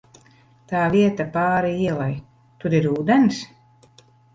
Tā vieta pāri ielai, tur ir ūdens?